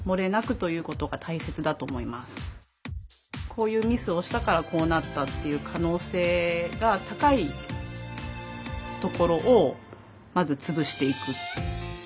こういうミスをしたからこうなったっていう可能性が高いところをまず潰していく。